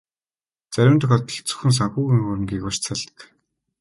Зарим тохиолдолд зөвхөн санхүүгийн хөрөнгийг барьцаалдаг.